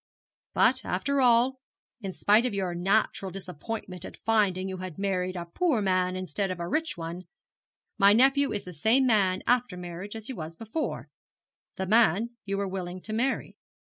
But after all, in spite of your natural disappointment at finding you had married a poor man instead of a rich one, my nephew is the same man after marriage as he was before, the man you were willing to marry.